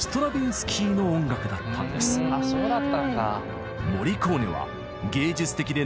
そうだったんだ。